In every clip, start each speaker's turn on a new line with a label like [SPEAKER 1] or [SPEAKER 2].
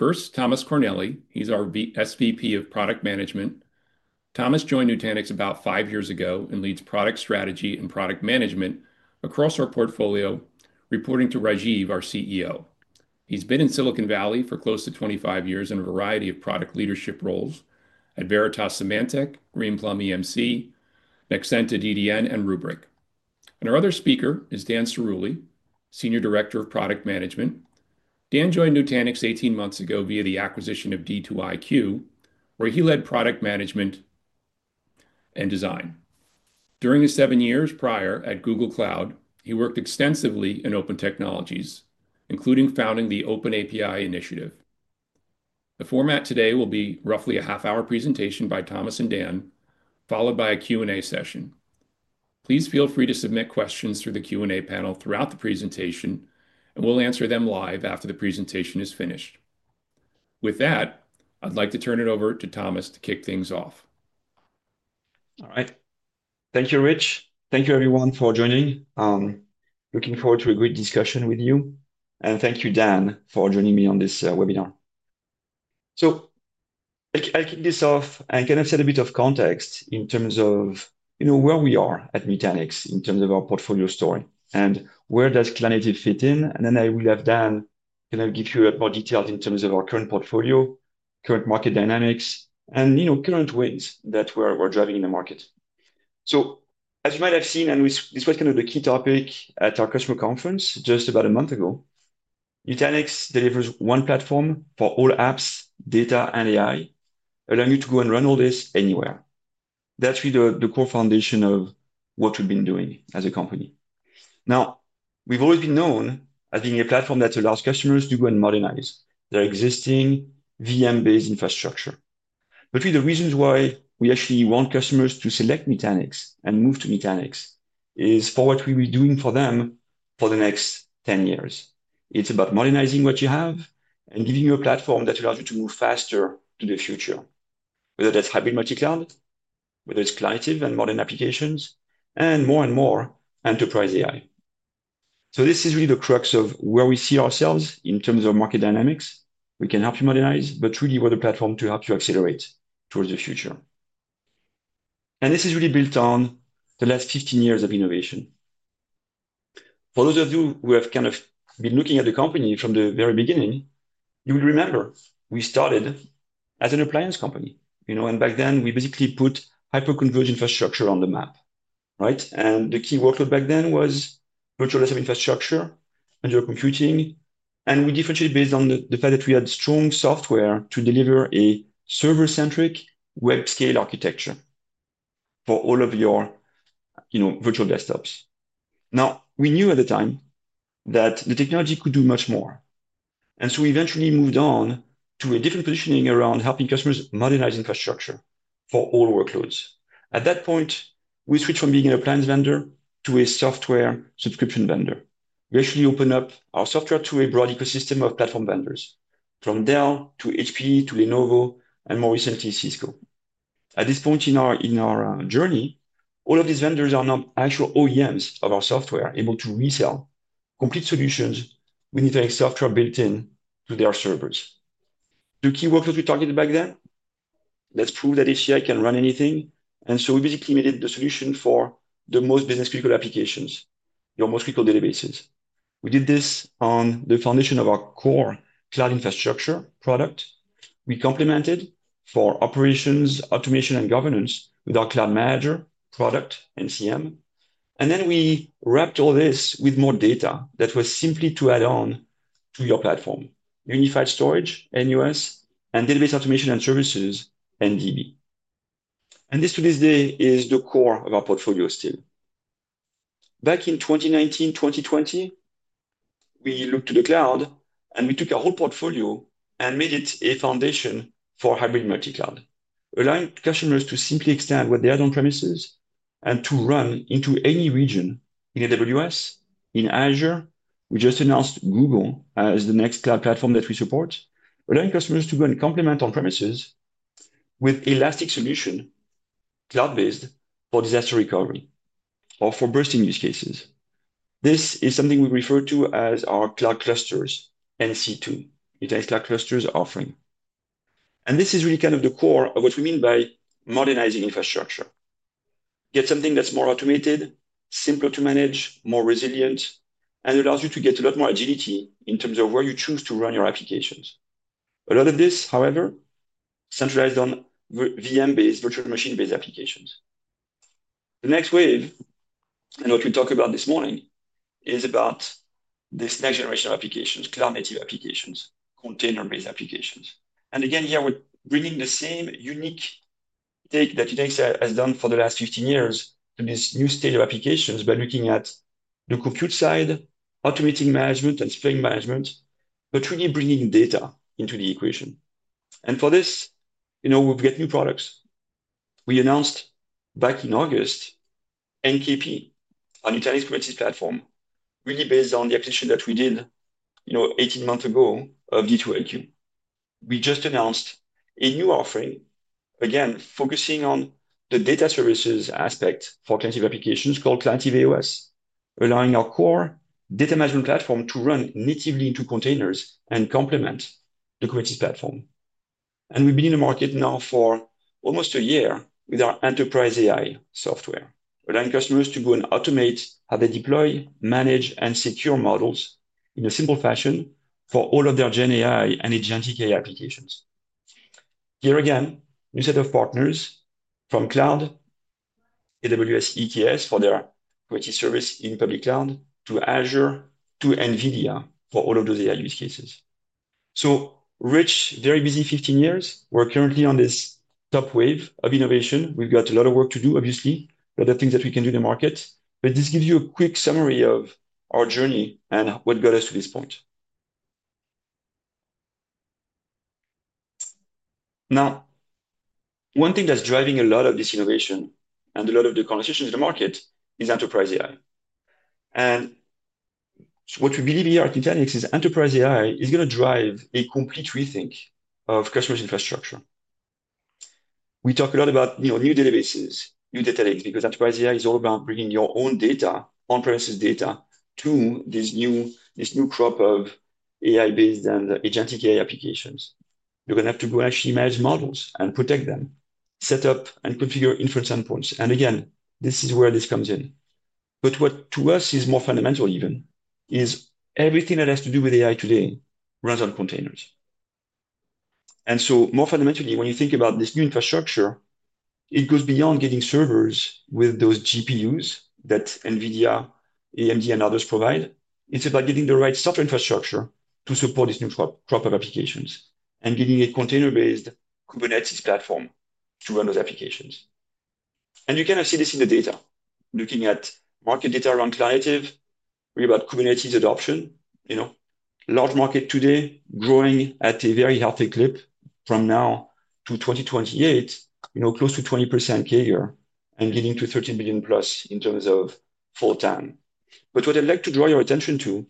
[SPEAKER 1] First, Thomas Cornely. He's our SVP of Product Management. Thomas joined Nutanix about five years ago and leads product strategy and product management across our portfolio, reporting to Rajiv Ramaswami, our CEO. He's been in Silicon Valley for close to 25 years in a variety of product leadership roles at Veritas, Symantec, Greenplum, EMC, Nexenta, DDN, and Rubrik. Our other speaker is Dan Ciruli, Senior Director of Product Management. Dan joined Nutanix 18 months ago via the acquisition of D2iQ, where he led product management and design. During the seven years prior at Google Cloud, he worked extensively in open technologies, including founding the Open API Initiative. The format today will be roughly a half-hour presentation by Thomas and Dan, followed by a Q&A session. Please feel free to submit questions through the Q&A panel throughout the presentation, and we'll answer them live after the presentation is finished. With that, I'd like to turn it over to Thomas to kick things off.
[SPEAKER 2] All right. Thank you, Rich. Thank you, everyone, for joining. Looking forward to a great discussion with you. Thank you, Dan, for joining me on this webinar. I'll kick this off, and kind of set a bit of context in terms of where we are at Nutanix in terms of our portfolio story and where does Klanity fit in. I will have Dan kind of give you a bit more detail in terms of our current portfolio, current market dynamics, and current wins that we're driving in the market. As you might have seen, and this was kind of the key topic at our customer conference just about a month ago, Nutanix delivers one platform for all apps, data, and AI, allowing you to go and run all this anywhere. That's really the core foundation of what we've been doing as a company. Now, we've always been known as being a platform that allows customers to go and modernize their existing VM-based infrastructure. The reasons why we actually want customers to select Nutanix and move to Nutanix is for what we'll be doing for them for the next 10 years. It's about modernizing what you have and giving you a platform that allows you to move faster to the future, whether that's hybrid multi-cloud, whether it's cloud-native and modern applications, and more and more enterprise AI. This is really the crux of where we see ourselves in terms of market dynamics. We can help you modernize, but really we're the platform to help you accelerate towards the future. This is really built on the last 15 years of innovation. For those of you who have kind of been looking at the company from the very beginning, you will remember we started as an appliance company. Back then, we basically put hyper-converged infrastructure on the map. The key workload back then was virtual desktop infrastructure, and your computing. We differentiated based on the fact that we had strong software to deliver a server-centric web scale architecture for all of your virtual desktops. We knew at the time that the technology could do much more. We eventually moved on to a different positioning around helping customers modernize infrastructure for all workloads. At that point, we switched from being an appliance vendor to a software subscription vendor. We actually opened up our software to a broad ecosystem of platform vendors, from Dell to HP to Lenovo and more recently Cisco. At this point in our journey, all of these vendors are now actual OEMs of our software, able to resell complete solutions with Nutanix software built into their servers. The key workload we targeted back then, let's prove that HCI can run anything. We basically made it the solution for the most business-critical applications, your most critical databases. We did this on the foundation of our core cloud infrastructure product. We complemented for operations, automation, and governance with our cloud manager product and NCM. We wrapped all this with more data that was simply to add on to your platform, unified storage, NUS, and database automation and services, NDB. This to this day is the core of our portfolio still. Back in 2019, 2020, we looked to the cloud, and we took our whole portfolio and made it a foundation for hybrid multi-cloud, allowing customers to simply extend what they had on premises and to run into any region in AWS, in Azure. We just announced Google as the next cloud platform that we support, allowing customers to go and complement on premises with elastic solution cloud-based for disaster recovery or for bursting use cases. This is something we refer to as our cloud clusters, NC2, Nutanix Cloud Clusters offering. This is really kind of the core of what we mean by modernizing infrastructure. Get something that's more automated, simpler to manage, more resilient, and allows you to get a lot more agility in terms of where you choose to run your applications. A lot of this, however, centralized on VM-based, virtual machine-based applications. The next wave, and what we talk about this morning, is about this next generation of applications, cloud-native applications, container-based applications. Again, here, we're bringing the same unique take that Nutanix has done for the last 15 years to this new state of applications by looking at the compute side, automating management and spring management, but really bringing data into the equation. For this, we've got new products. We announced back in August NKP on Nutanix's Cohesity platform, really based on the acquisition that we did 18 months ago of D2iQ. We just announced a new offering, again, focusing on the data services aspect for Cohesity applications called Klantiv AOS, allowing our core data management platform to run natively into containers and complement the Cohesity platform. We have been in the market now for almost a year with our enterprise AI software, allowing customers to go and automate how they deploy, manage, and secure models in a simple fashion for all of their Gen AI and Agentic AI applications. Here again, new set of partners from cloud, AWS EKS for their Cohesity service in public cloud, to Azure, to NVIDIA for all of those AI use cases. Rich, very busy 15 years. We are currently on this top wave of innovation. We have got a lot of work to do, obviously, a lot of things that we can do in the market. This gives you a quick summary of our journey and what got us to this point. One thing that is driving a lot of this innovation and a lot of the conversations in the market is enterprise AI. What we believe here at Nutanix is enterprise AI is going to drive a complete rethink of customers' infrastructure. We talk a lot about new databases, new data lakes, because enterprise AI is all about bringing your own data, on-premises data, to this new crop of AI-based and agentic AI applications. You're going to have to go and actually manage models and protect them, set up, and configure inference endpoints. This is where this comes in. What to us is more fundamental even is everything that has to do with AI today runs on containers. More fundamentally, when you think about this new infrastructure, it goes beyond getting servers with those GPUs that NVIDIA, AMD, and others provide. It's about getting the right software infrastructure to support this new crop of applications and getting a container-based Kubernetes platform to run those applications. You kind of see this in the data, looking at market data around Kubernetes, really about Kubernetes adoption. Large market today growing at a very healthy clip from now to 2028, close to 20% CAGR and getting to $13 billion+ in terms of full-time. What I'd like to draw your attention to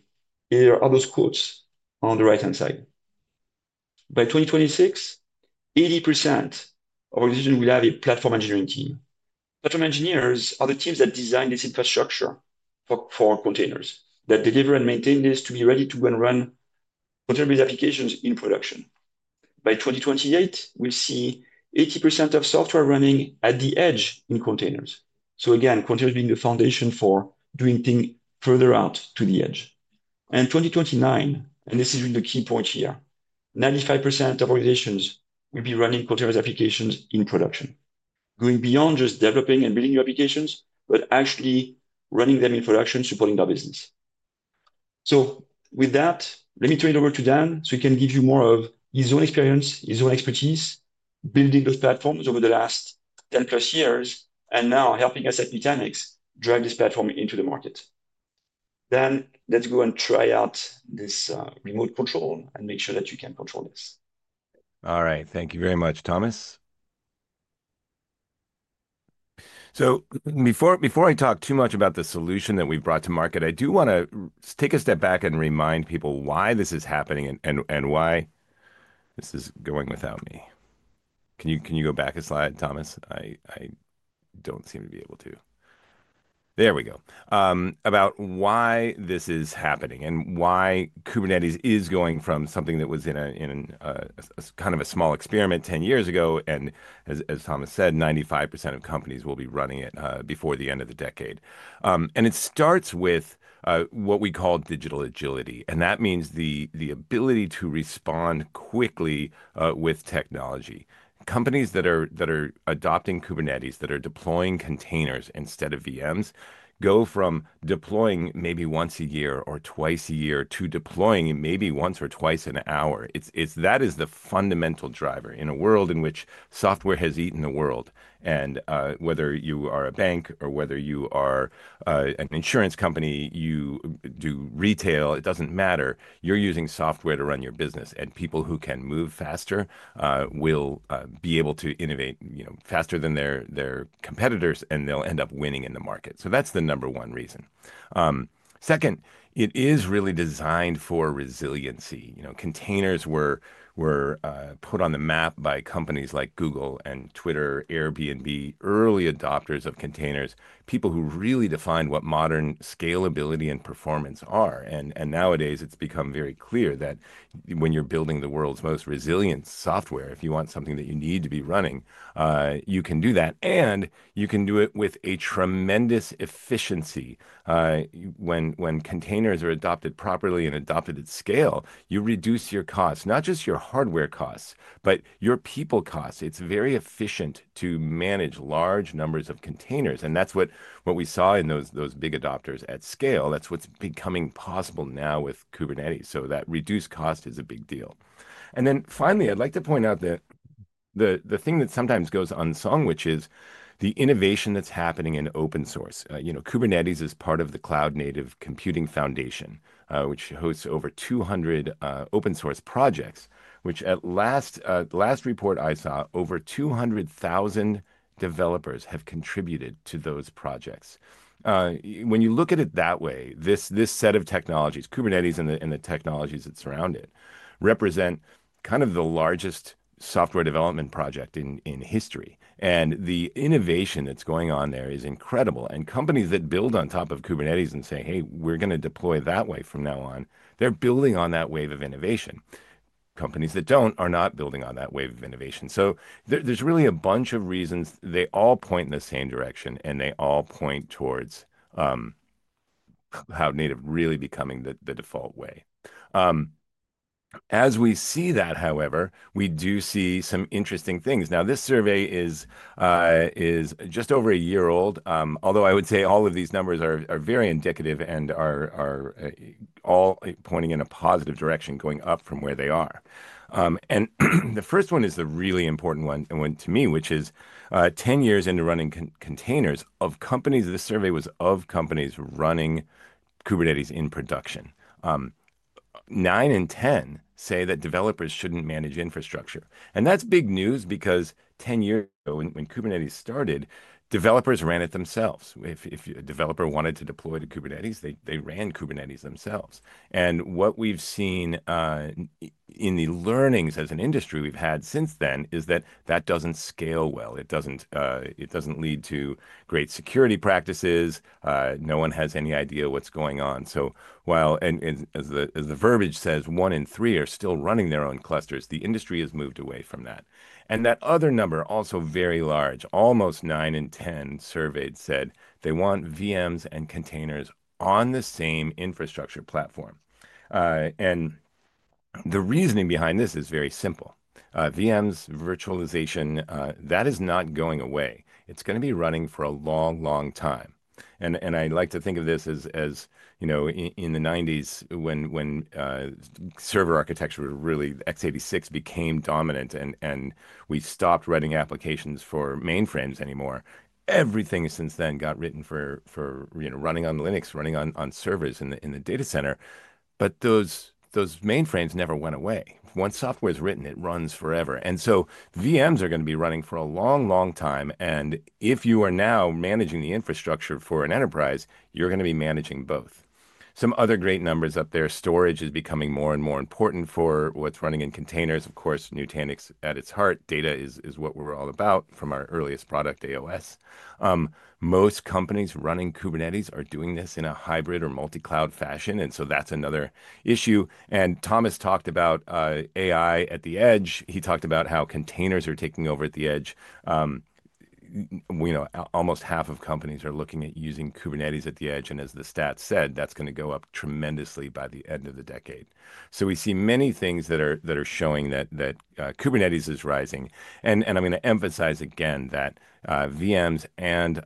[SPEAKER 2] are those quotes on the right-hand side. By 2026, 80% of our decision will have a platform engineering team. Platform engineers are the teams that design this infrastructure for containers, that deliver and maintain this to be ready to go and run container-based applications in production. By 2028, we'll see 80% of software running at the edge in containers. Again, containers being the foundation for doing things further out to the edge. In 2029, and this is really the key point here, 95% of organizations will be running container-based applications in production, going beyond just developing and building new applications, but actually running them in production, supporting our business. With that, let me turn it over to Dan so he can give you more of his own experience, his own expertise building those platforms over the last 10-plus years and now helping us at Nutanix drive this platform into the market. Dan, let's go and try out this remote control and make sure that you can control this.
[SPEAKER 3] All right. Thank you very much, Thomas. Before I talk too much about the solution that we've brought to market, I do want to take a step back and remind people why this is happening and why this is going without me. Can you go back a slide, Thomas? I don't seem to be able to. There we go. About why this is happening and why Kubernetes is going from something that was in kind of a small experiment 10 years ago. As Thomas said, 95% of companies will be running it before the end of the decade. It starts with what we call digital agility. That means the ability to respond quickly with technology. Companies that are adopting Kubernetes, that are deploying containers instead of VMs, go from deploying maybe once a year or twice a year to deploying maybe once or twice an hour. That is the fundamental driver in a world in which software has eaten the world. Whether you are a bank or whether you are an insurance company, you do retail, it does not matter. You are using software to run your business. People who can move faster will be able to innovate faster than their competitors, and they will end up winning in the market. That is the number one reason. Second, it is really designed for resiliency. Containers were put on the map by companies like Google and Twitter, Airbnb, early adopters of containers, people who really defined what modern scalability and performance are. Nowadays, it has become very clear that when you are building the world's most resilient software, if you want something that you need to be running, you can do that. You can do it with tremendous efficiency. When containers are adopted properly and adopted at scale, you reduce your costs, not just your hardware costs, but your people costs. It's very efficient to manage large numbers of containers. That's what we saw in those big adopters at scale. That's what's becoming possible now with Kubernetes. That reduced cost is a big deal. Finally, I'd like to point out the thing that sometimes goes unsung, which is the innovation that's happening in open source. Kubernetes is part of the Cloud Native Computing Foundation, which hosts over 200 open source projects, which at last report I saw, over 200,000 developers have contributed to those projects. When you look at it that way, this set of technologies, Kubernetes and the technologies that surround it, represent kind of the largest software development project in history. The innovation that's going on there is incredible. Companies that build on top of Kubernetes and say, "Hey, we're going to deploy that way from now on," they're building on that wave of innovation. Companies that do not are not building on that wave of innovation. There is really a bunch of reasons. They all point in the same direction, and they all point towards Cloud Native really becoming the default way. As we see that, however, we do see some interesting things. This survey is just over a year old, although I would say all of these numbers are very indicative and are all pointing in a positive direction, going up from where they are. The first one is the really important one to me, which is 10 years into running containers of companies. This survey was of companies running Kubernetes in production. 9 in 10 say that developers should not manage infrastructure. That is big news because 10 years ago, when Kubernetes started, developers ran it themselves. If a developer wanted to deploy to Kubernetes, they ran Kubernetes themselves. What we have seen in the learnings as an industry we have had since then is that that does not scale well. It does not lead to great security practices. No one has any idea what is going on. While the verbiage says, "One in three are still running their own clusters," the industry has moved away from that. That other number, also very large, almost 9 in 10 surveyed said they want VMs and containers on the same infrastructure platform. The reasoning behind this is very simple. VMs, virtualization, that is not going away. It is going to be running for a long, long time. I like to think of this as in the 1990s when server architecture was really x86 became dominant and we stopped running applications for mainframes anymore. Everything since then got written for running on Linux, running on servers in the data center. Those mainframes never went away. Once software is written, it runs forever. VMs are going to be running for a long, long time. If you are now managing the infrastructure for an enterprise, you're going to be managing both. Some other great numbers up there. Storage is becoming more and more important for what's running in containers. Of course, Nutanix at its heart, data is what we're all about from our earliest product, AOS. Most companies running Kubernetes are doing this in a hybrid or multi-cloud fashion. That is another issue. Thomas talked about AI at the edge. He talked about how containers are taking over at the edge. Almost half of companies are looking at using Kubernetes at the edge. As the stats said, that's going to go up tremendously by the end of the decade. We see many things that are showing that Kubernetes is rising. I'm going to emphasize again that VMs and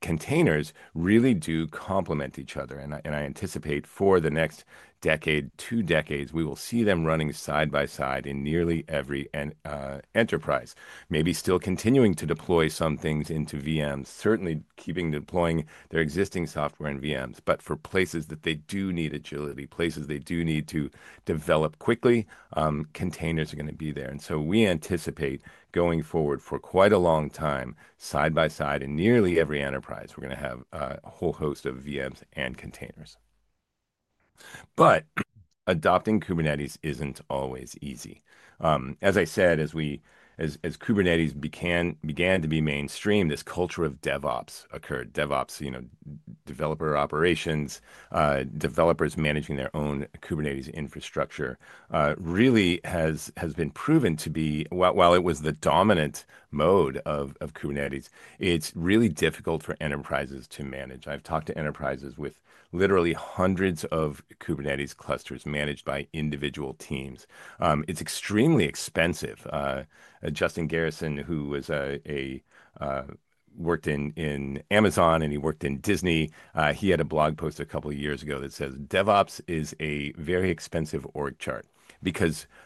[SPEAKER 3] containers really do complement each other. I anticipate for the next decade, two decades, we will see them running side by side in nearly every enterprise, maybe still continuing to deploy some things into VMs, certainly keeping deploying their existing software in VMs. For places that they do need agility, places they do need to develop quickly, containers are going to be there. We anticipate going forward for quite a long time, side by side in nearly every enterprise, we're going to have a whole host of VMs and containers. Adopting Kubernetes isn't always easy. As I said, as Kubernetes began to be mainstream, this culture of DevOps occurred. DevOps, developer operations, developers managing their own Kubernetes infrastructure really has been proven to be, while it was the dominant mode of Kubernetes, it's really difficult for enterprises to manage. I've talked to enterprises with literally hundreds of Kubernetes clusters managed by individual teams. It's extremely expensive. Justin Garrison, who worked in Amazon and he worked in Disney, he had a blog post a couple of years ago that says, "DevOps is a very expensive org chart."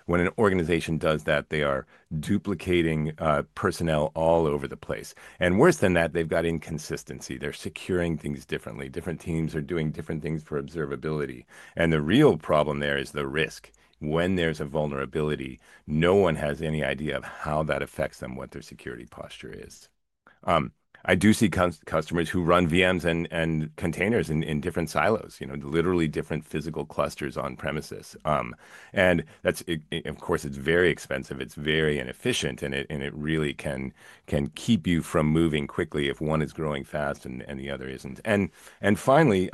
[SPEAKER 3] When an organization does that, they are duplicating personnel all over the place. Worse than that, they've got inconsistency. They're securing things differently. Different teams are doing different things for observability. The real problem there is the risk. When there's a vulnerability, no one has any idea of how that affects them, what their security posture is. I do see customers who run VMs and containers in different silos, literally different physical clusters on premises. Of course, it's very expensive. It's very inefficient. It really can keep you from moving quickly if one is growing fast and the other isn't. Finally,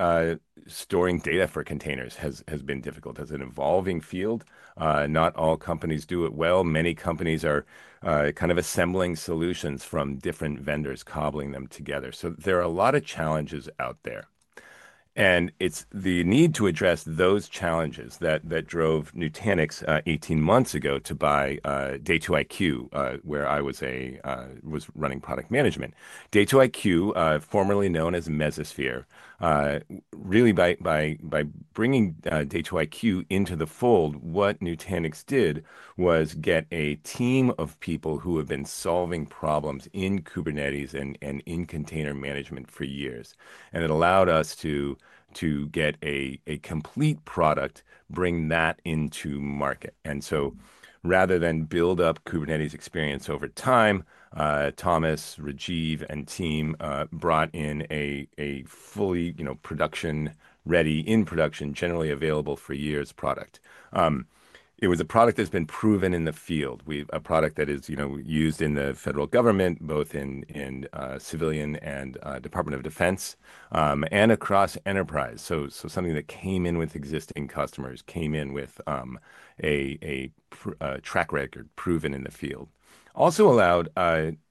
[SPEAKER 3] storing data for containers has been difficult. It's an evolving field. Not all companies do it well. Many companies are kind of assembling solutions from different vendors, cobbling them together. There are a lot of challenges out there. It's the need to address those challenges that drove Nutanix 18 months ago to buy D2iQ, where I was running product management. D2iQ, formerly known as Mesosphere, really by bringing D2iQ into the fold, what Nutanix did was get a team of people who have been solving problems in Kubernetes and in container management for years. It allowed us to get a complete product, bring that into market. Rather than build up Kubernetes experience over time, Thomas, Rajiv, and team brought in a fully production-ready, in production, generally available for years product. It was a product that's been proven in the field, a product that is used in the federal government, both in civilian and Department of Defense, and across enterprise. Something that came in with existing customers, came in with a track record proven in the field. Also allowed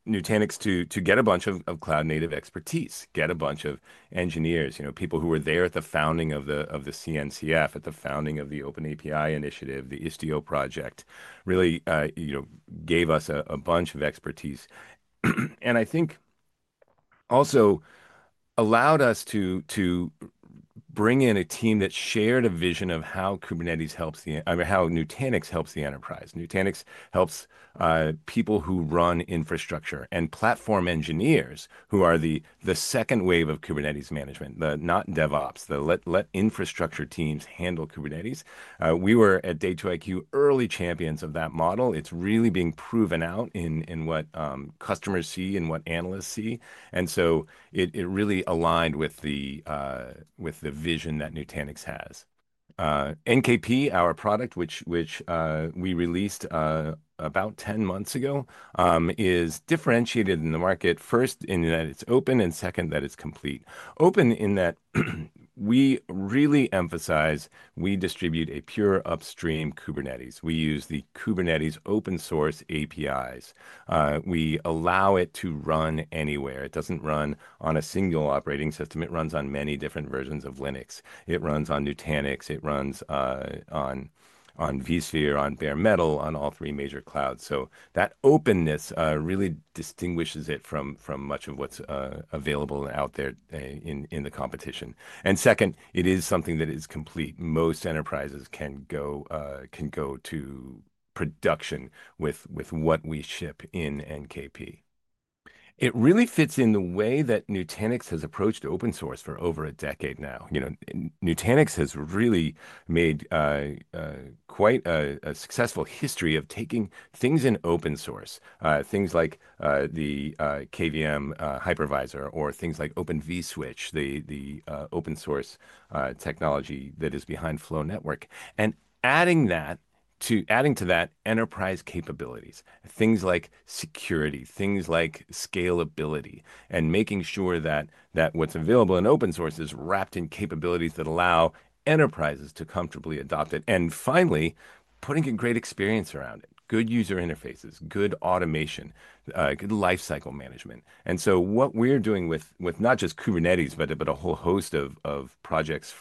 [SPEAKER 3] Nutanix to get a bunch of cloud native expertise, get a bunch of engineers, people who were there at the founding of the CNCF, at the founding of the Open API Initiative, the Istio project, really gave us a bunch of expertise. I think also allowed us to bring in a team that shared a vision of how Kubernetes helps the enterprise. Nutanix helps people who run infrastructure and platform engineers who are the second wave of Kubernetes management, not DevOps. Let infrastructure teams handle Kubernetes. We were at D2iQ early champions of that model. It's really being proven out in what customers see, in what analysts see. It really aligned with the vision that Nutanix has. NKP, our product, which we released about 10 months ago, is differentiated in the market, first in that it's open and second that it's complete. Open in that we really emphasize we distribute a pure upstream Kubernetes. We use the Kubernetes open source APIs. We allow it to run anywhere. It doesn't run on a single operating system. It runs on many different versions of Linux. It runs on Nutanix. It runs on vSphere, on Bare Metal, on all three major clouds. That openness really distinguishes it from much of what's available out there in the competition. Second, it is something that is complete. Most enterprises can go to production with what we ship in NKP. It really fits in the way that Nutanix has approached open source for over a decade now. Nutanix has really made quite a successful history of taking things in open source, things like the KVM hypervisor or things like Open vSwitch, the open source technology that is behind Flow Network, and adding to that enterprise capabilities, things like security, things like scalability, and making sure that what's available in open source is wrapped in capabilities that allow enterprises to comfortably adopt it. Finally, putting a great experience around it, good user interfaces, good automation, good lifecycle management. What we are doing with not just Kubernetes, but a whole host of projects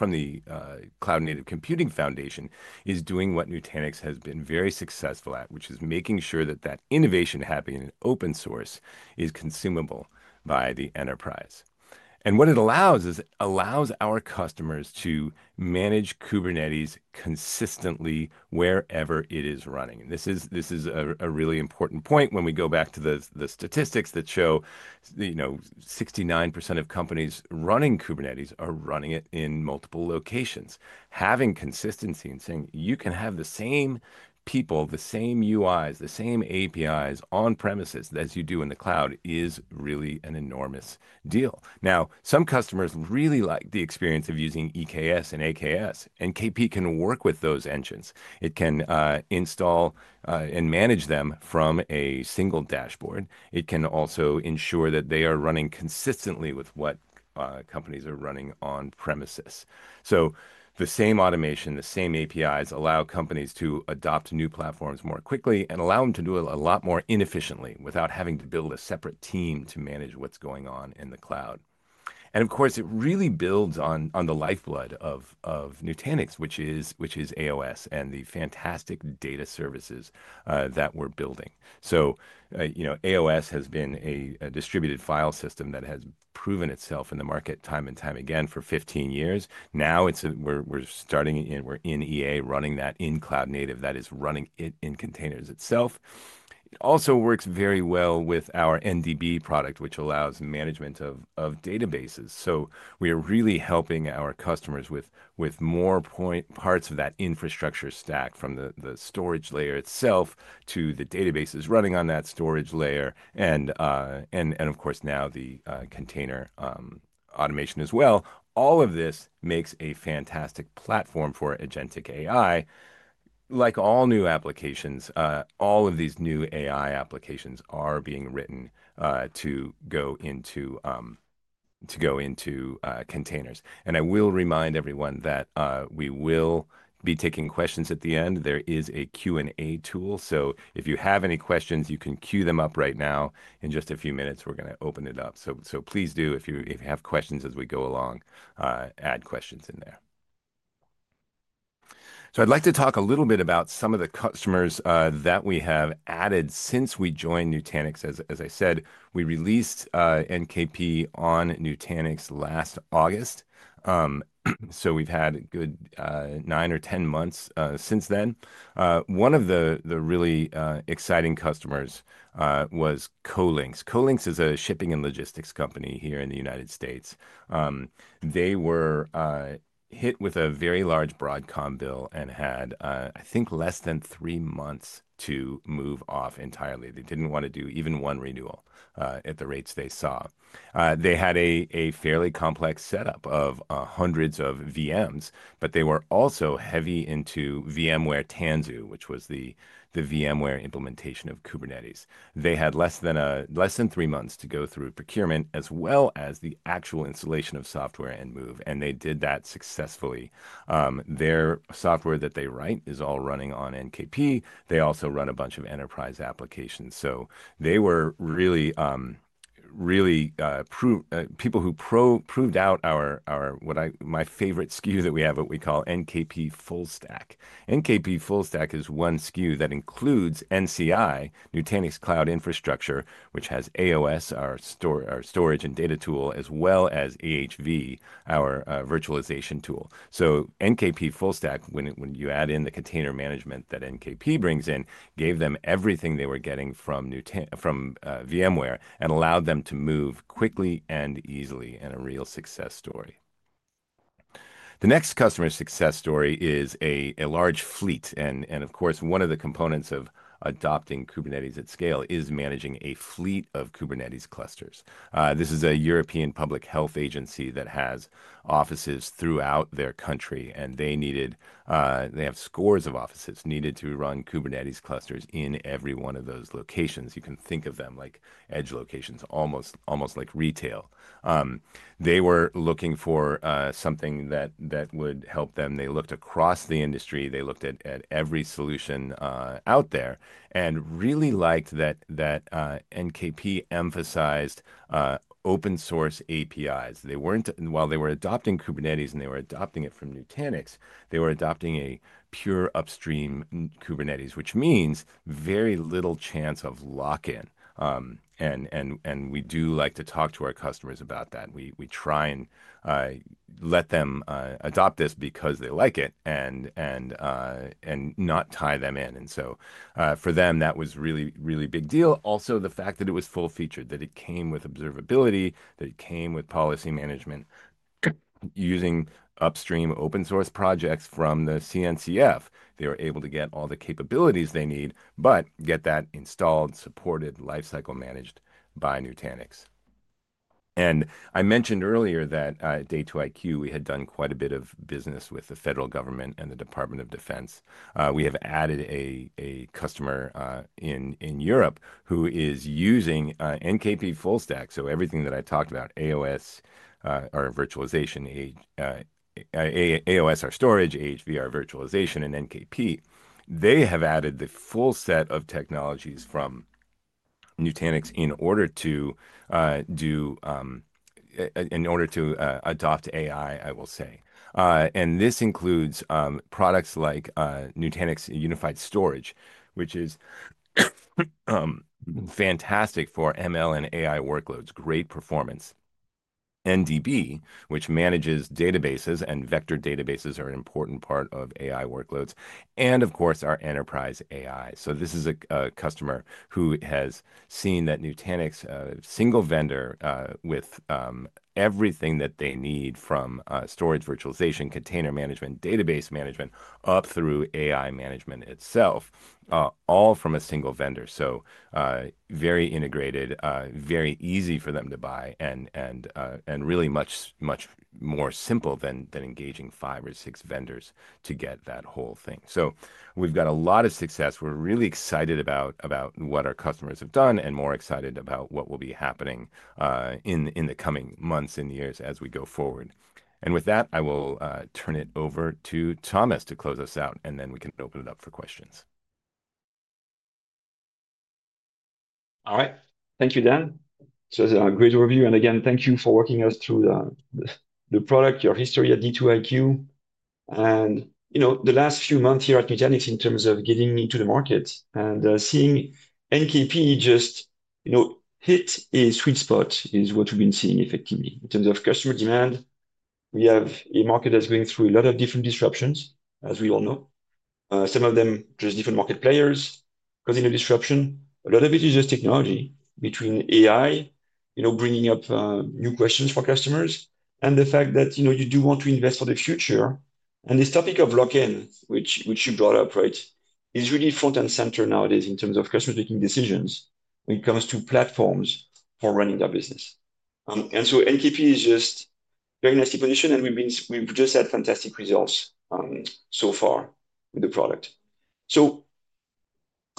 [SPEAKER 3] from the Cloud Native Computing Foundation is doing what Nutanix has been very successful at, which is making sure that that innovation happening in open source is consumable by the enterprise. What it allows is it allows our customers to manage Kubernetes consistently wherever it is running. This is a really important point. When we go back to the statistics that show 69% of companies running Kubernetes are running it in multiple locations. Having consistency and saying, "You can have the same people, the same UIs, the same APIs on premises as you do in the cloud," is really an enormous deal. Now, some customers really like the experience of using EKS and AKS. NKP can work with those engines. It can install and manage them from a single dashboard. It can also ensure that they are running consistently with what companies are running on premises. The same automation, the same APIs allow companies to adopt new platforms more quickly and allow them to do it a lot more efficiently without having to build a separate team to manage what's going on in the cloud. Of course, it really builds on the lifeblood of Nutanix, which is AOS and the fantastic data services that we're building. AOS has been a distributed file system that has proven itself in the market time and time again for 15 years. Now we're starting in EA running that in Cloud Native, that is, running it in containers itself. It also works very well with our NDB product, which allows management of databases. We are really helping our customers with more parts of that infrastructure stack from the storage layer itself to the databases running on that storage layer. Of course, now the container automation as well. All of this makes a fantastic platform for Agentic AI. Like all new applications, all of these new AI applications are being written to go into containers. I will remind everyone that we will be taking questions at the end. There is a Q&A tool. If you have any questions, you can queue them up right now. In just a few minutes, we are going to open it up. Please do, if you have questions as we go along, add questions in there. I would like to talk a little bit about some of the customers that we have added since we joined Nutanix. As I said, we released NKP on Nutanix last August. We have had a good nine or ten months since then. One of the really exciting customers was Colinx. Colinx is a shipping and logistics company here in the United States. They were hit with a very large Broadcom bill and had, I think, less than three months to move off entirely. They did not want to do even one renewal at the rates they saw. They had a fairly complex setup of hundreds of VMs, but they were also heavy into VMware Tanzu, which was the VMware implementation of Kubernetes. They had less than three months to go through procurement as well as the actual installation of software and move. They did that successfully. Their software that they write is all running on NKP. They also run a bunch of enterprise applications. They were really people who proved out my favorite SKU that we have, what we call NKP Full Stack. NKP Full Stack is one SKU that includes NCI, Nutanix Cloud Infrastructure, which has AOS, our storage and data tool, as well as AHV, our virtualization tool. NKP Full Stack, when you add in the container management that NKP brings in, gave them everything they were getting from VMware and allowed them to move quickly and easily in a real success story. The next customer success story is a large fleet. One of the components of adopting Kubernetes at scale is managing a fleet of Kubernetes clusters. This is a European public health agency that has offices throughout their country. They have scores of offices needed to run Kubernetes clusters in every one of those locations. You can think of them like edge locations, almost like retail. They were looking for something that would help them. They looked across the industry. They looked at every solution out there and really liked that NKP emphasized open source APIs. While they were adopting Kubernetes and they were adopting it from Nutanix, they were adopting a pure upstream Kubernetes, which means very little chance of lock-in. We do like to talk to our customers about that. We try and let them adopt this because they like it and not tie them in. For them, that was a really big deal. Also, the fact that it was full-featured, that it came with observability, that it came with policy management using upstream open source projects from the CNCF, they were able to get all the capabilities they need, but get that installed, supported, lifecycle managed by Nutanix. I mentioned earlier that at D2iQ, we had done quite a bit of business with the federal government and the Department of Defense. We have added a customer in Europe who is using NKP Full Stack. Everything that I talked about, AOS, our virtualization, AOS, our storage, AHV, virtualization, and NKP, they have added the full set of technologies from Nutanix in order to adopt AI, I will say. This includes products like Nutanix Unified Storage, which is fantastic for ML and AI workloads, great performance. NDB, which manages databases and vector databases, are an important part of AI workloads. Of course, our Enterprise AI. This is a customer who has seen that Nutanix, a single vendor with everything that they need from storage virtualization, container management, database management, up through AI management itself, all from a single vendor. Very integrated, very easy for them to buy, and really much more simple than engaging five or six vendors to get that whole thing. We have got a lot of success. We're really excited about what our customers have done and more excited about what will be happening in the coming months and years as we go forward. With that, I will turn it over to Thomas to close us out, and then we can open it up for questions.
[SPEAKER 2] All right. Thank you, Dan. It's a great overview. Again, thank you for walking us through the product, your history at D2iQ, and the last few months here at Nutanix in terms of getting into the market and seeing NKP just hit a sweet spot is what we've been seeing effectively. In terms of customer demand, we have a market that's going through a lot of different disruptions, as we all know. Some of them just different market players causing a disruption. A lot of it is just technology between AI, bringing up new questions for customers, and the fact that you do want to invest for the future. This topic of lock-in, which you brought up, right, is really front and center nowadays in terms of customer-making decisions when it comes to platforms for running their business. NKP is just very nicely positioned, and we've just had fantastic results so far with the product.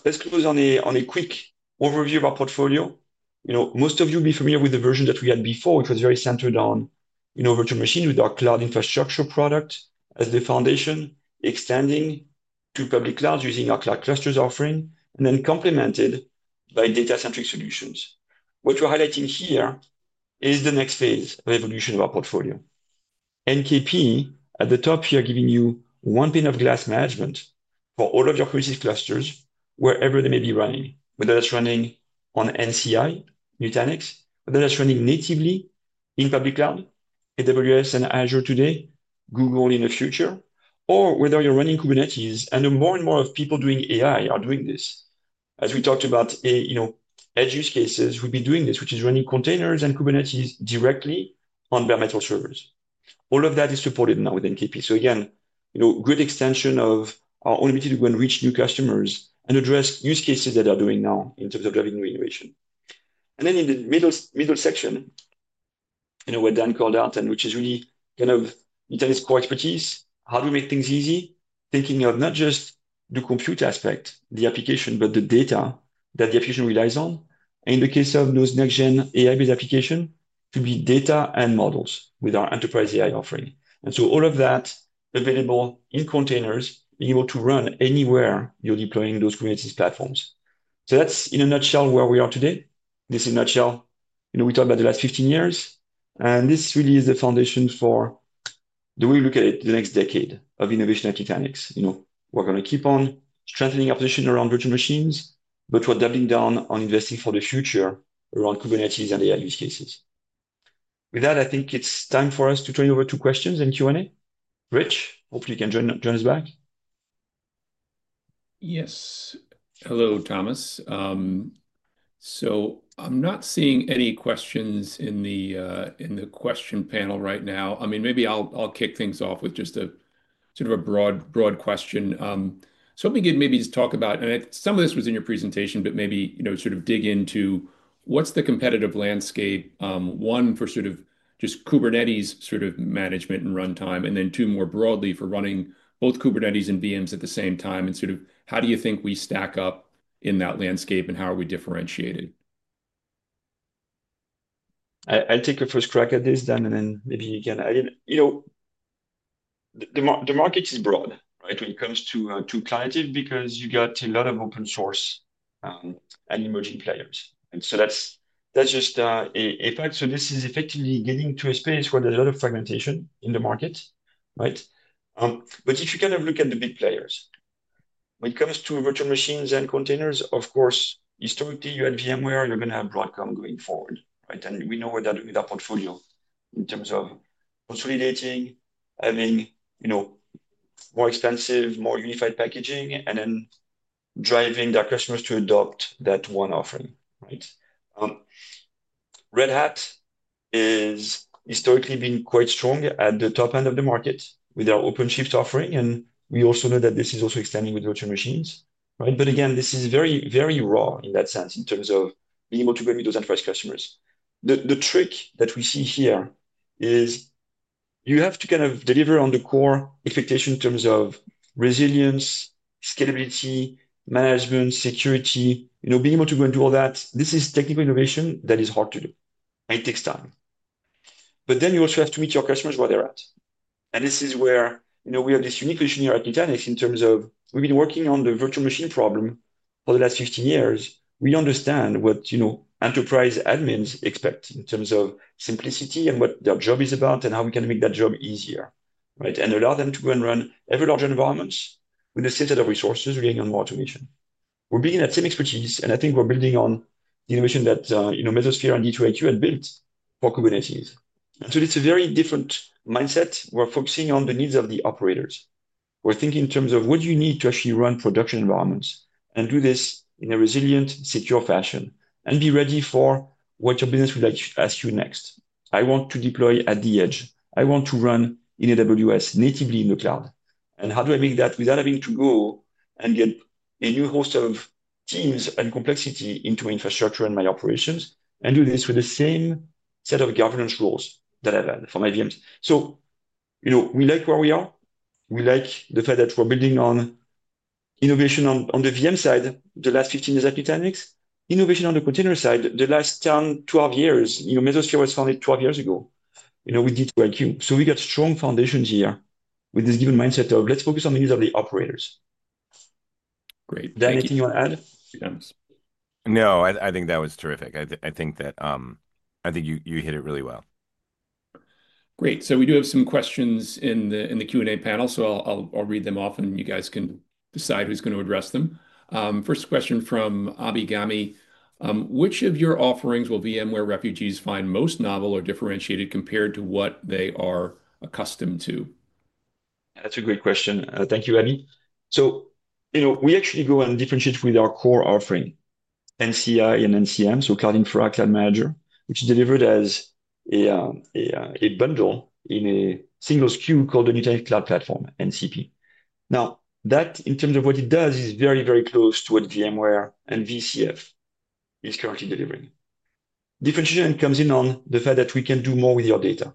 [SPEAKER 2] Let's close on a quick overview of our portfolio. Most of you will be familiar with the version that we had before, which was very centered on virtual machines with our cloud infrastructure product as the foundation, extending to public clouds using our cloud clusters offering, and then complemented by data-centric solutions. What we're highlighting here is the next phase of evolution of our portfolio. NKP at the top here giving you one pane of glass management for all of your cohesive clusters wherever they may be running, whether that's running on NCI, Nutanix, whether that's running natively in public cloud, AWS and Azure today, Google in the future, or whether you're running Kubernetes. More and more people doing AI are doing this. As we talked about edge use cases, we'll be doing this, which is running containers and Kubernetes directly on bare metal servers. All of that is supported now with NKP. Again, great extension of our ability to go and reach new customers and address use cases that they are doing now in terms of driving new innovation. In the middle section, what Dan called out, and which is really kind of Nutanix core expertise, how do we make things easy, thinking of not just the compute aspect, the application, but the data that the application relies on. In the case of those next-gen AI-based applications, it could be data and models with our enterprise AI offering. All of that available in containers, being able to run anywhere you're deploying those Kubernetes platforms. That's, in a nutshell, where we are today. This is a nutshell. We talked about the last 15 years. And this really is the foundation for the way we look at it, the next decade of innovation at Nutanix. We're going to keep on strengthening our position around virtual machines, but we're doubling down on investing for the future around Kubernetes and AI use cases. With that, I think it's time for us to turn it over to questions and Q&A. Rich, hopefully you can join us back.
[SPEAKER 3] Yes. Hello, Thomas. I'm not seeing any questions in the question panel right now. I mean, maybe I'll kick things off with just a sort of a broad question. Let me maybe just talk about, and some of this was in your presentation, but maybe sort of dig into what's the competitive landscape, one for just Kubernetes management and runtime, and then two more broadly for running both Kubernetes and VMs at the same time. How do you think we stack up in that landscape, and how are we differentiated?
[SPEAKER 2] I'll take a first crack at this, Dan, and then maybe you can add in. The market is broad when it comes to clients, because you got a lot of open source and emerging players. And so that's just a fact. This is effectively getting to a space where there's a lot of fragmentation in the market. If you kind of look at the big players, when it comes to virtual machines and containers, of course, historically, you had VMware, you're going to have Broadcom going forward. We know what they're doing with our portfolio in terms of consolidating, having more expensive, more unified packaging, and then driving their customers to adopt that one offering. Red Hat has historically been quite strong at the top end of the market with their OpenShift offering. We also know that this is also extending with virtual machines. Again, this is very raw in that sense in terms of being able to go into those enterprise customers. The trick that we see here is you have to kind of deliver on the core expectation in terms of resilience, scalability, management, security, being able to go and do all that. This is technical innovation that is hard to do. It takes time. You also have to meet your customers where they're at. This is where we have this unique position here at Nutanix in terms of we've been working on the virtual machine problem for the last 15 years. We understand what enterprise admins expect in terms of simplicity and what their job is about and how we can make that job easier and allow them to go and run every larger environment with the same set of resources we're getting on more automation. We're being at same expertise, and I think we're building on the innovation that Mesosphere and D2iQ had built for Kubernetes. It is a very different mindset. We're focusing on the needs of the operators. We're thinking in terms of what do you need to actually run production environments and do this in a resilient, secure fashion and be ready for what your business would like to ask you next. I want to deploy at the edge. I want to run in AWS natively in the cloud. How do I make that without having to go and get a new host of teams and complexity into my infrastructure and my operations and do this with the same set of governance rules that I've had for my VMs? We like where we are. We like the fact that we're building on innovation on the VM side the last 15 years at Nutanix, innovation on the container side the last 10-12 years. Mesosphere was founded 12 years ago with D2iQ. So we got strong foundations here with this given mindset of let's focus on the needs of the operators. Great. Dan, anything you want to add?
[SPEAKER 3] No, I think that was terrific. I think you hit it really well.
[SPEAKER 1] Great. We do have some questions in the Q&A panel, so I'll read them off, and you guys can decide who's going to address them. First question from Abi Ghami. Which of your offerings will VMware refugees find most novel or differentiated compared to what they are accustomed to?
[SPEAKER 2] That's a great question. Thank you, Abi. We actually go and differentiate with our core offering, NCI and NCM, so Cloud Infrastructure and Manager, which is delivered as a bundle in a single SKU called the Nutanix Cloud Platform, NCP. That in terms of what it does is very, very close to what VMware and VCF is currently delivering. Differentiation comes in on the fact that we can do more with your data.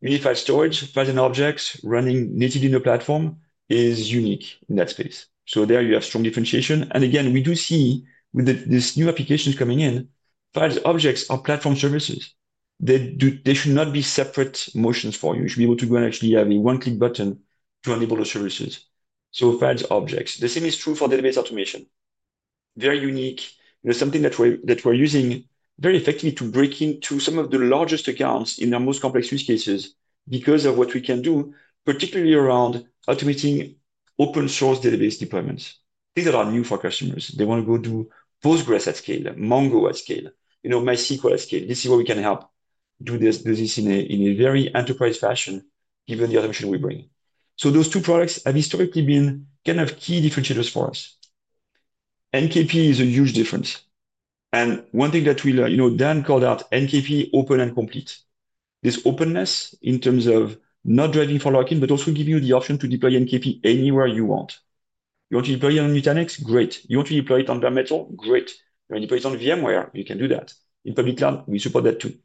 [SPEAKER 2] Unified storage, files and objects running natively in the platform is unique in that space. There you have strong differentiation. We do see with this new application coming in, files, objects are platform services. They should not be separate motions for you. You should be able to go and actually have a one-click button to enable those services. Files, objects. The same is true for database automation. Very unique. There's something that we're using very effectively to break into some of the largest accounts in their most complex use cases because of what we can do, particularly around automating open source database deployments. These are our new customers. They want to go do Postgres at scale, Mongo at scale, MySQL at scale. This is where we can help do this in a very enterprise fashion, given the automation we bring. Those two products have historically been kind of key differentiators for us. NKP is a huge difference. One thing that Dan called out, NKP open and complete. This openness in terms of not driving for lock-in, but also giving you the option to deploy NKP anywhere you want. You want to deploy it on Nutanix? Great. You want to deploy it on bare metal? Great. You want to deploy it on VMware? You can do that. In public cloud, we support that too.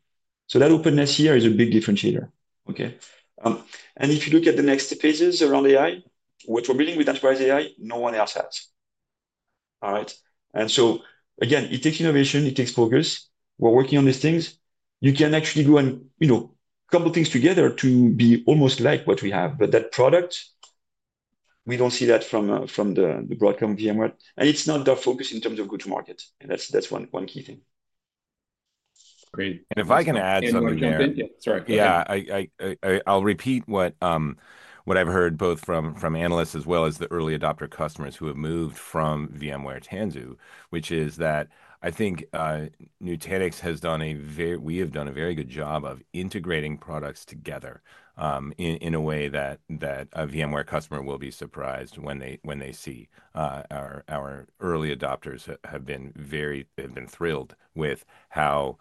[SPEAKER 2] That openness here is a big differentiator. If you look at the next phases around AI, what we're building with Enterprise AI, no one else has. It takes innovation. It takes focus. We're working on these things. You can actually go and couple things together to be almost like what we have. That product, we don't see that from the Broadcom VMware. It's not our focus in terms of go-to-market. That's one key thing.
[SPEAKER 3] Great. If I can add something here. Sorry. Yeah. I'll repeat what I've heard both from analysts as well as the early adopter customers who have moved from VMware Tanzu, which is that I think Nutanix has done a very, we have done a very good job of integrating products together in a way that a VMware customer will be surprised when they see. Our early adopters have been thrilled with how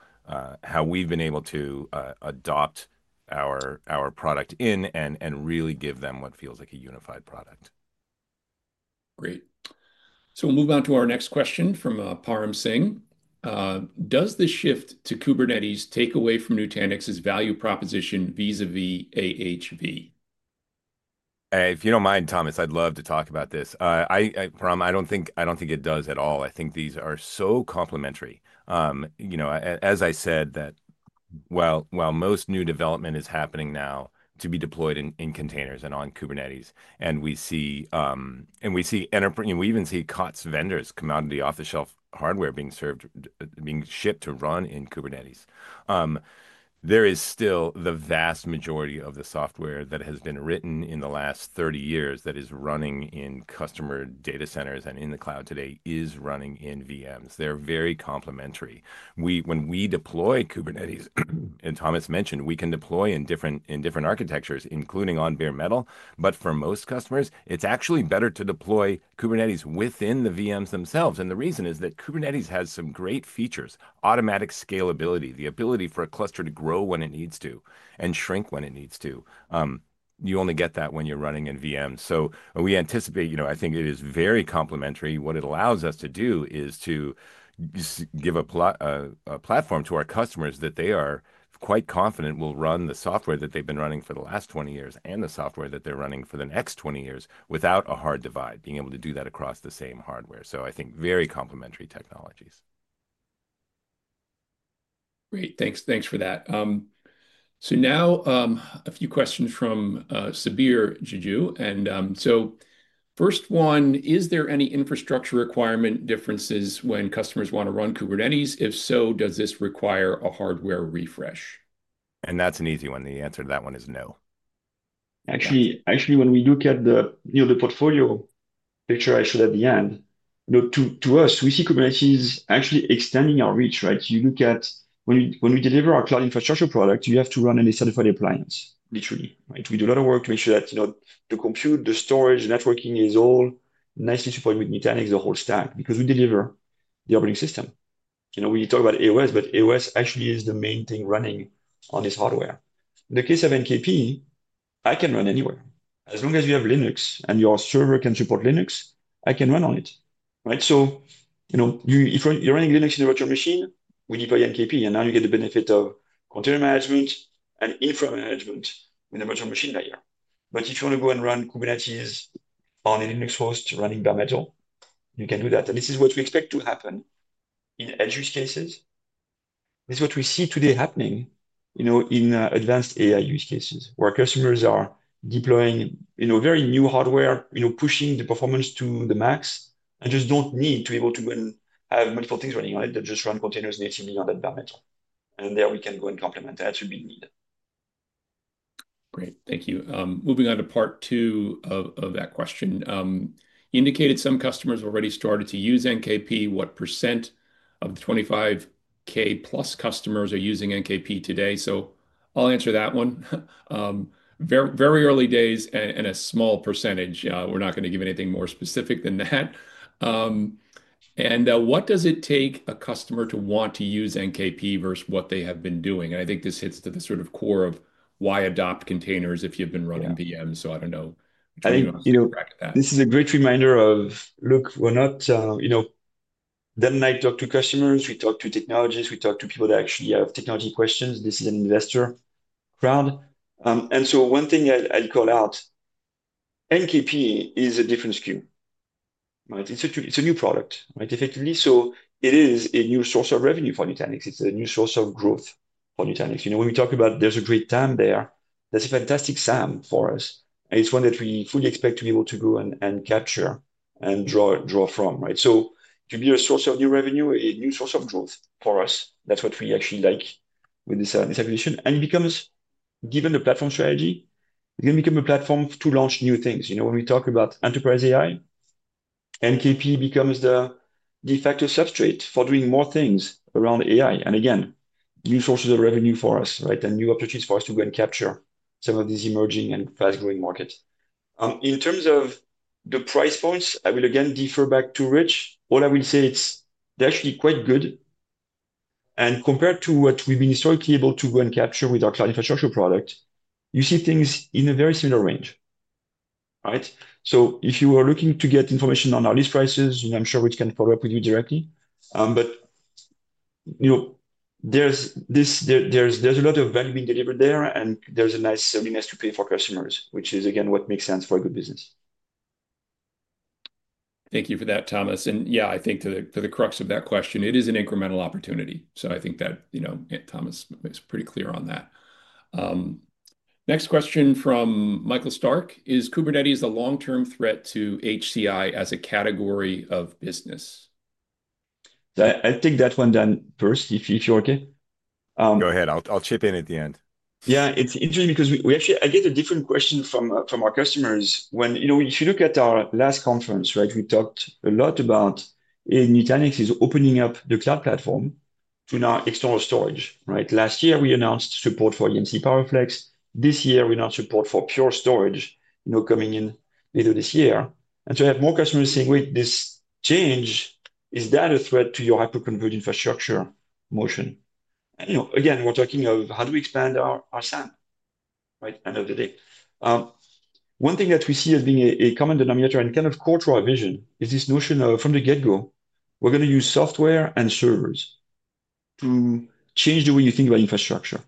[SPEAKER 3] we've been able to adopt our product in and really give them what feels like a unified product.
[SPEAKER 1] Great. We'll move on to our next question from Param Singh. Does the shift to Kubernetes take away from Nutanix's value proposition vis-à-vis AHV?
[SPEAKER 3] If you don't mind, Thomas, I'd love to talk about this. I don't think it does at all. I think these are so complementary. As I said, while most new development is happening now to be deployed in containers and on Kubernetes, and we even see COTS vendors come out of the off-the-shelf hardware being shipped to run in Kubernetes. There is still the vast majority of the software that has been written in the last 30 years that is running in customer data centers and in the cloud today is running in VMs. They're very complementary. When we deploy Kubernetes, and Thomas mentioned, we can deploy in different architectures, including on bare metal. For most customers, it's actually better to deploy Kubernetes within the VMs themselves. The reason is that Kubernetes has some great features, automatic scalability, the ability for a cluster to grow when it needs to and shrink when it needs to. You only get that when you're running in VMs. We anticipate, I think it is very complementary. What it allows us to do is to give a platform to our customers that they are quite confident will run the software that they've been running for the last 20 years and the software that they're running for the next 20 years without a hard divide, being able to do that across the same hardware. I think very complementary technologies.
[SPEAKER 1] Great. Thanks for that. Now a few questions from Sabir Juju. First one, is there any infrastructure requirement differences when customers want to run Kubernetes? If so, does this require a hardware refresh?
[SPEAKER 3] That is an easy one. The answer to that one is no.
[SPEAKER 2] Actually, when we look at the portfolio picture I showed at the end, to us, we see Kubernetes actually extending our reach. You look at when we deliver our cloud infrastructure product, you have to run any certified appliance, literally. We do a lot of work to make sure that the compute, the storage, networking is all nicely supported with Nutanix, the whole stack, because we deliver the operating system. We talk about AOS, but AOS actually is the main thing running on this hardware. In the case of NKP, I can run anywhere. As long as you have Linux and your server can support Linux, I can run on it. If you're running Linux in a virtual machine, we deploy NKP, and now you get the benefit of container management and infra management in the virtual machine layer. If you want to go and run Kubernetes on a Linux host running bare metal, you can do that. This is what we expect to happen in edge use cases. This is what we see today happening in advanced AI use cases where customers are deploying very new hardware, pushing the performance to the max, and just do not need to be able to have multiple things running on it. They just run containers natively on that bare metal. There we can go and complement that to be needed.
[SPEAKER 1] Great. Thank you. Moving on to part two of that question. You indicated some customers already started to use NKP. What % of the 25K+ customers are using NKP today? I'll answer that one. Very early days and a small %. We're not going to give anything more specific than that. What does it take a customer to want to use NKP versus what they have been doing? I think this hits to the sort of core of why adopt containers if you've been running VMs. I don't know.
[SPEAKER 2] I think this is a great reminder of, look, we're not then and I talk to customers. We talk to technologists. We talk to people that actually have technology questions. This is an investor crowd. One thing I'd call out, NKP is a different SKU. It's a new product, effectively. It is a new source of revenue for Nutanix. It's a new source of growth for Nutanix. When we talk about there's a great time there, that's a fantastic SAM for us. It's one that we fully expect to be able to go and capture and draw from. To be a source of new revenue, a new source of growth for us, that's what we actually like with this evolution. It becomes, given the platform strategy, it's going to become a platform to launch new things. When we talk about enterprise AI, NKP becomes the de facto substrate for doing more things around AI. Again, new sources of revenue for us and new opportunities for us to go and capture some of these emerging and fast-growing markets. In terms of the price points, I will again defer back to Rich. All I will say is they're actually quite good. Compared to what we've been historically able to go and capture with our cloud infrastructure product, you see things in a very similar range. If you were looking to get information on our lease prices, I'm sure Rich can follow up with you directly. There is a lot of value being delivered there, and there is a nice selling edge to pay for customers, which is, again, what makes sense for a good business.
[SPEAKER 1] Thank you for that, Thomas. Yeah, I think to the crux of that question, it is an incremental opportunity. I think that Thomas is pretty clear on that. Next question from Michael Stark is, Kubernetes is a long-term threat to HCI as a category of business?
[SPEAKER 2] I'll take that one then first, if you're OK.
[SPEAKER 3] Go ahead. I'll chip in at the end.
[SPEAKER 2] Yeah, it's interesting because we actually, I get a different question from our customers. If you look at our last conference, we talked a lot about Nutanix is opening up the cloud platform to now external storage. Last year, we announced support for EMC PowerFlex. This year, we announced support for Pure Storage coming in later this year. We have more customers saying, wait, this change, is that a threat to your hyper-converged infrastructure motion? Again, we're talking of how do we expand our SAM at the end of the day. One thing that we see as being a common denominator and kind of core to our vision is this notion of from the get-go, we're going to use software and servers to change the way you think about infrastructure.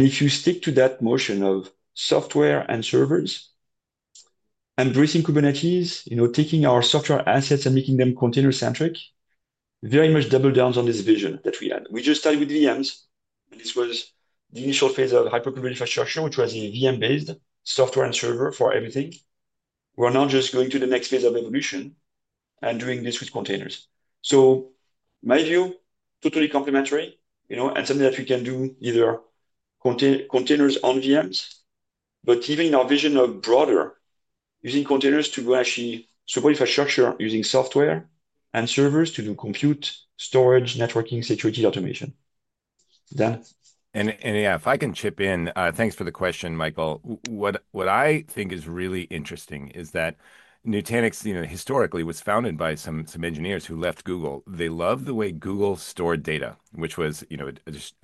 [SPEAKER 2] If you stick to that notion of software and servers and embracing Kubernetes, taking our software assets and making them container-centric, it very much double downs on this vision that we had. We just started with VMs. This was the initial phase of hyper-converged infrastructure, which was a VM-based software and server for everything. We are now just going to the next phase of evolution and doing this with containers. My view, totally complementary and something that we can do either containers on VMs, but even in our vision of broader, using containers to go and actually support infrastructure using software and servers to do compute, storage, networking, security, automation. Dan.
[SPEAKER 3] Yeah, if I can chip in, thanks for the question, Michael. What I think is really interesting is that Nutanix historically was founded by some engineers who left Google. They loved the way Google stored data, which was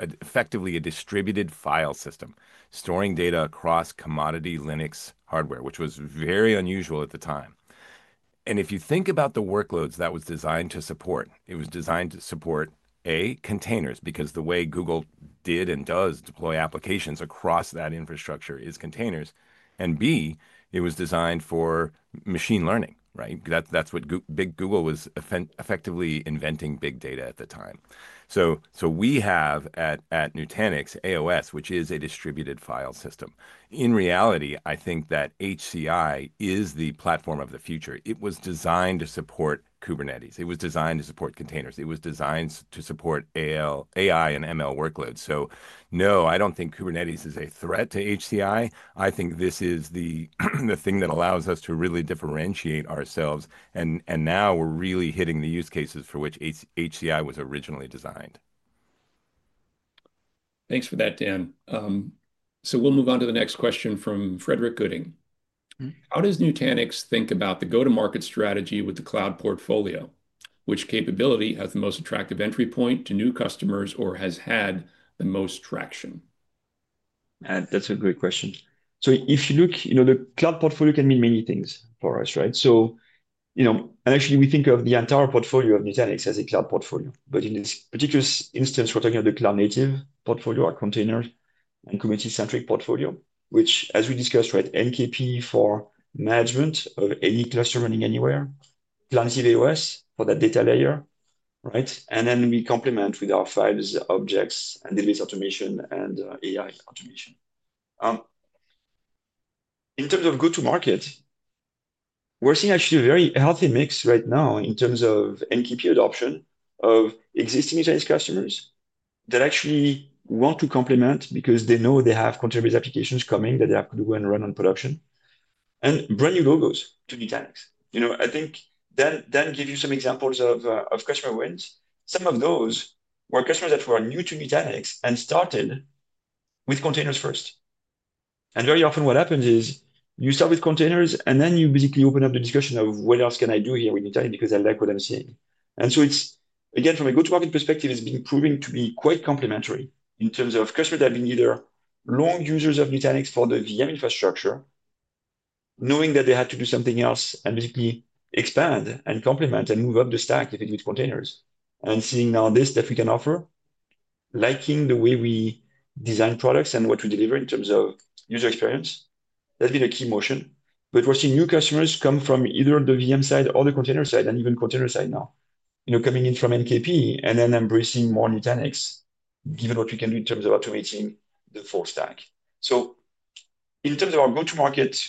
[SPEAKER 3] effectively a distributed file system, storing data across commodity Linux hardware, which was very unusual at the time. If you think about the workloads that was designed to support, it was designed to support, A, containers, because the way Google did and does deploy applications across that infrastructure is containers. And B, it was designed for machine learning. That's what Big Google was effectively inventing big data at the time. We have at Nutanix AOS, which is a distributed file system. In reality, I think that HCI is the platform of the future. It was designed to support Kubernetes. It was designed to support containers. It was designed to support AI and ML workloads. No, I do not think Kubernetes is a threat to HCI. I think this is the thing that allows us to really differentiate ourselves. Now we are really hitting the use cases for which HCI was originally designed.
[SPEAKER 1] Thanks for that, Dan. We'll move on to the next question from Frederick Gooding. How does Nutanix think about the go-to-market strategy with the cloud portfolio? Which capability has the most attractive entry point to new customers or has had the most traction?
[SPEAKER 2] That's a great question. If you look, the cloud portfolio can mean many things for us. Actually, we think of the entire portfolio of Nutanix as a cloud portfolio. In this particular instance, we're talking about the cloud-native portfolio, our container and Kubernetes-centric portfolio, which, as we discussed, NKP for management of any cluster running anywhere, cloud-native AOS for that data layer. Then we complement with our files, objects, and database automation and AI automation. In terms of go-to-market, we're seeing actually a very healthy mix right now in terms of NKP adoption of existing Nutanix customers that actually want to complement because they know they have container-based applications coming that they have to go and run on production and brand new logos to Nutanix. I think Dan gave you some examples of customer wins. Some of those were customers that were new to Nutanix and started with containers first. Very often what happens is you start with containers, and then you basically open up the discussion of what else can I do here with Nutanix because I like what I'm seeing. It is, again, from a go-to-market perspective, proving to be quite complementary in terms of customers that have been either long users of Nutanix for the VM infrastructure, knowing that they had to do something else and basically expand and complement and move up the stack if it is with containers. Seeing now this that we can offer, liking the way we design products and what we deliver in terms of user experience, that has been a key motion. We are seeing new customers come from either the VM side or the container side and even container side now, coming in from NKP and then embracing more Nutanix, given what we can do in terms of automating the full stack. In terms of our go-to-market,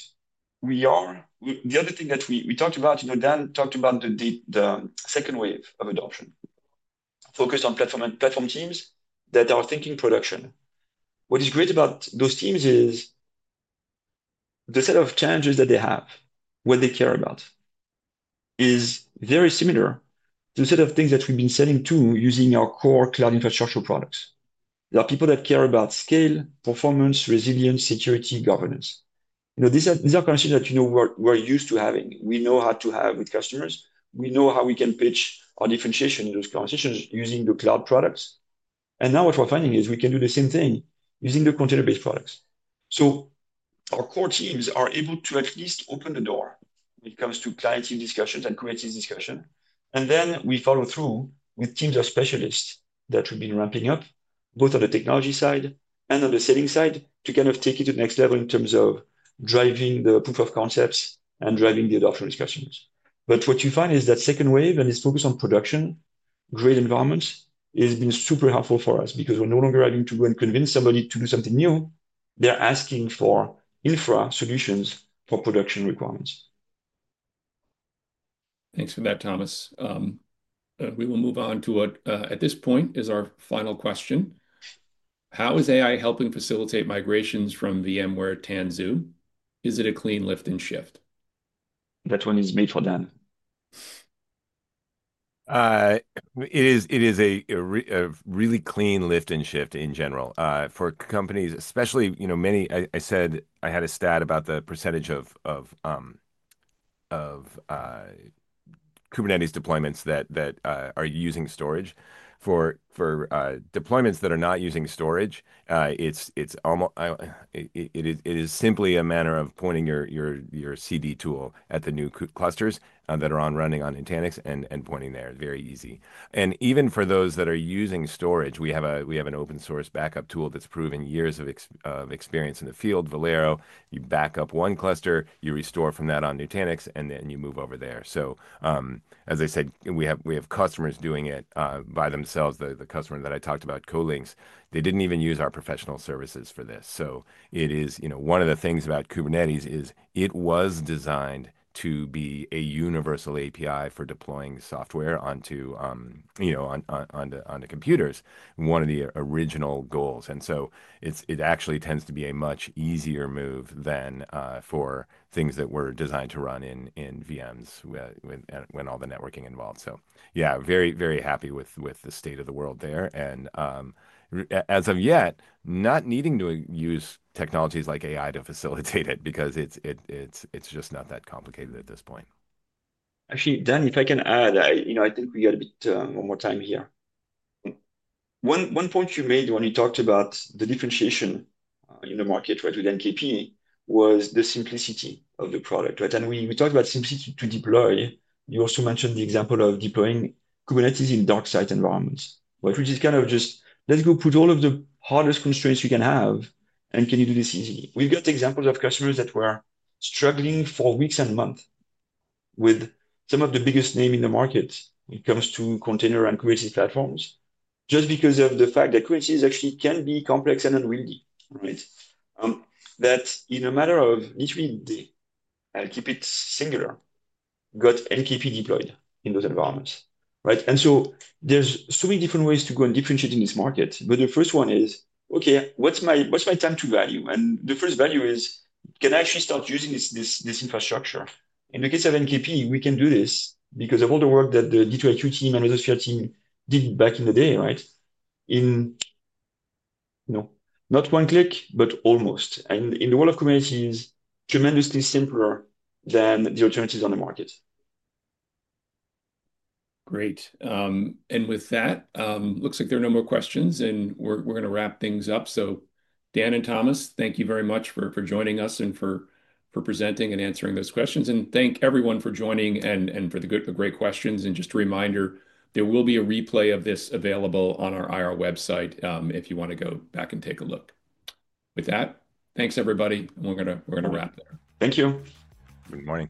[SPEAKER 2] the other thing that we talked about, Dan talked about the second wave of adoption focused on platform teams that are thinking production. What is great about those teams is the set of challenges that they have, what they care about, is very similar to the set of things that we've been selling to using our core cloud infrastructure products. There are people that care about scale, performance, resilience, security, governance. These are conversations that we're used to having. We know how to have with customers. We know how we can pitch our differentiation in those conversations using the cloud products. Now what we're finding is we can do the same thing using the container-based products. Our core teams are able to at least open the door when it comes to client-team discussions and creative discussion. We follow through with teams of specialists that have been ramping up both on the technology side and on the selling side to kind of take it to the next level in terms of driving the proof of concepts and driving the adoption discussions. What you find is that second wave and its focus on production-grade environments has been super helpful for us because we're no longer having to go and convince somebody to do something new. They're asking for infra solutions for production requirements. Thanks for that, Thomas. We will move on to what at this point is our final question. How is AI helping facilitate migrations from VMware to Tanzu? Is it a clean lift and shift? That one is made for Dan.
[SPEAKER 3] It is a really clean lift and shift in general for companies, especially many. I said I had a stat about the percentage of Kubernetes deployments that are using storage. For deployments that are not using storage, it is simply a matter of pointing your CD tool at the new clusters that are running on Nutanix and pointing there. Very easy. Even for those that are using storage, we have an open-source backup tool that has proven years of experience in the field, Velero. You back up one cluster, you restore from that on Nutanix, and then you move over there. As I said, we have customers doing it by themselves. The customer that I talked about, Colinx, they did not even use our professional services for this. One of the things about Kubernetes is it was designed to be a universal API for deploying software onto computers, one of the original goals. It actually tends to be a much easier move than for things that were designed to run in VMs with all the networking involved. Yeah, very, very happy with the state of the world there. As of yet, not needing to use technologies like AI to facilitate it because it's just not that complicated at this point.
[SPEAKER 2] Actually, Dan, if I can add, I think we got a bit more time here. One point you made when you talked about the differentiation in the market with NKP was the simplicity of the product. We talked about simplicity to deploy. You also mentioned the example of deploying Kubernetes in dark-side environments, which is kind of just, let's go put all of the hardest constraints we can have and can you do this easily. We've got examples of customers that were struggling for weeks and months with some of the biggest names in the market when it comes to container and Kubernetes platforms just because of the fact that Kubernetes actually can be complex and unwieldy. That in a matter of literally a, I'll keep it singular, got NKP deployed in those environments. There are so many different ways to go and differentiate in this market. The first one is, OK, what's my time to value? The first value is, can I actually start using this infrastructure? In the case of NKP, we can do this because of all the work that the D2iQ team and Resource Field team did back in the day. Not one click, but almost. In the world of Kubernetes, it's tremendously simpler than the alternatives on the market.
[SPEAKER 1] Great. With that, it looks like there are no more questions. We're going to wrap things up. Dan and Thomas, thank you very much for joining us and for presenting and answering those questions. Thank everyone for joining and for the great questions. Just a reminder, there will be a replay of this available on our IR website if you want to go back and take a look. With that, thanks, everybody. We're going to wrap there.
[SPEAKER 2] Thank you.
[SPEAKER 3] Good morning.